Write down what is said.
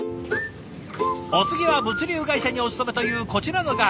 お次は物流会社にお勤めというこちらの画伯。